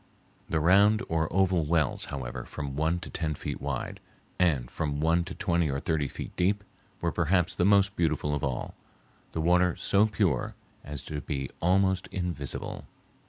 The round or oval wells, however, from one to ten feet wide, and from one to twenty or thirty feet deep, were perhaps the most beautiful of all, the water so pure as to be almost invisible.